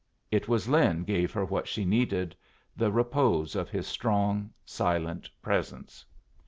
It was Lin gave her what she needed the repose of his strong, silent presence.